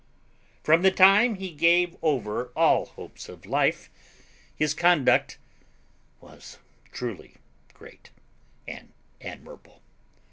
From the time he gave over all hopes of life, his conduct was truly great and admirable.